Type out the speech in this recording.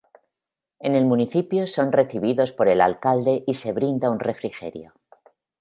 En el municipio son recibidos por el alcalde y se brinda un refrigerio.